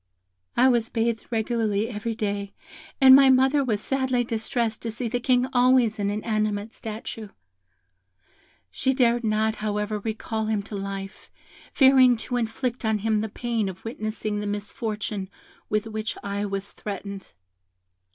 "I was bathed regularly every day, and my mother was sadly distressed to see the King always an inanimate statue. She dared not, however, recall him to life, fearing to inflict on him the pain of witnessing the misfortune with which I was threatened.